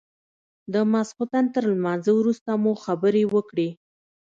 د ماخستن تر لمانځه وروسته مو خبرې وكړې.